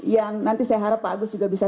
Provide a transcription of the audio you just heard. yang nanti saya harap pak agus juga bisa